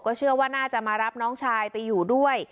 เชื่อว่าน่าจะมารับน้องชายไปอยู่ด้วย